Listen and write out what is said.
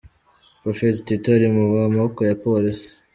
Prophet Tito ari mu maboko ya Polisi.